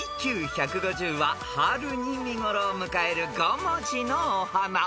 ［ＩＱ１５０は春に見頃を迎える５文字のお花］